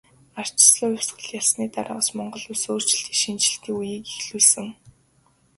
Ардчилсан хувьсгал ялсны дараагаас Монгол улс өөрчлөлт шинэчлэлтийн үеийг эхлүүлсэн.